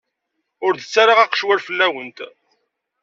Ur d-ttarraɣ aqecwal fell-awen.